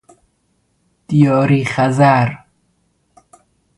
دیاری خزر